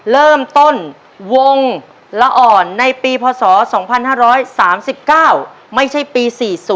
เริ่มต้นวงละอ่อนในปีพศ๒๕๓๙ไม่ใช่ปี๔๐